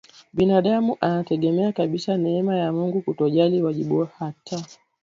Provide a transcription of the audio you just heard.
binadamu anategemea kabisa neema ya Mungu kutojali wajibu hata